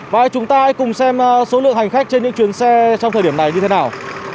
và chúng ta hãy cùng xem số lượng hành khách trên những chuyến xe trong thời điểm này như thế nào